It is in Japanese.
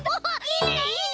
いいねいいね！